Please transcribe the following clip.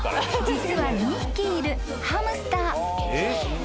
［実は２匹いるハムスター］